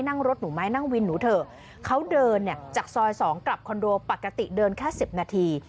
นั่งรถหนูไหมนั่งวินหนูเถอะเขาเดินเนี่ยจากซอย๒กลับคอนโดปกติเดินแค่สิบนาที